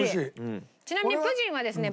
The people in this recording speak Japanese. ちなみにプヂンはですね